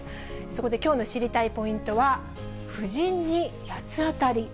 そこできょうの知りたいポイントは、夫人に八つ当たり。